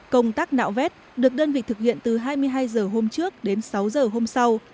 công tác nạo vét được đơn vị thực hiện từ hai mươi hai h hôm trước đến sáu h hôm sau